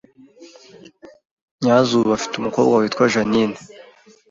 Nyazuba afite umukobwa witwa Jeaninne